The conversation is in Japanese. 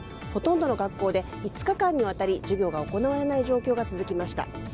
ほとんどの学校で５日間にわたり授業が行われない状況が続きました。